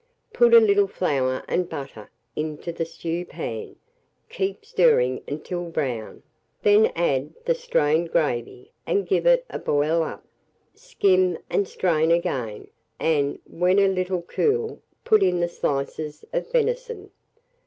Put a little flour and butter into the stewpan, keep stirring until brown, then add the strained gravy, and give it a boil up; skim and strain again, and, when a little cool, put in the slices of venison.